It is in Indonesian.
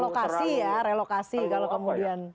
lokasi ya relokasi kalau kemudian